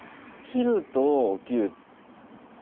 切ると起きる。